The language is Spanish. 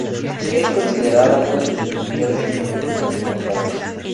Es considerado uno de los escritores eslovenos más importantes.